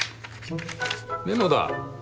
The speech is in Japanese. メモだ。